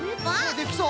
できそう？